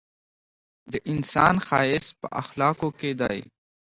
د انسان ښایست په اخلاقو کي دی!